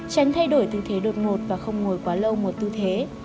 tránh thay đổi tư thế đột ngột và không ngồi quá lâu một tư thế